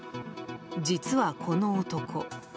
実は、この男。